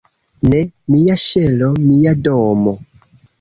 "Ne! Mia ŝelo! Mia domo!"